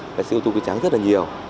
nghệ sĩ ưu tú quý tráng rất là nhiều